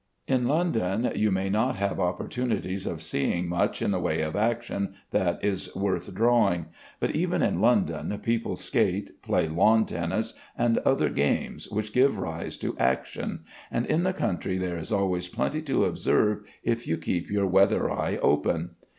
In London you may not have opportunities of seeing much in the way of action that is worth drawing, but even in London people skate, play lawn tennis, and other games which give rise to action, and in the country there is always plenty to observe if you keep your weather eye open.